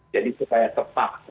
jadi supaya tepat